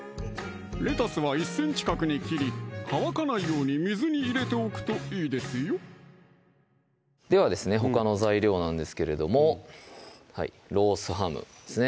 レタスは１ｃｍ角に切り乾かないように水に入れておくといいですよではですねほかの材料なんですけれどもロースハムですね